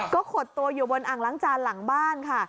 ก็ขดตัวอยู่บนอ่างล้างจานหลังบ้านค่ะ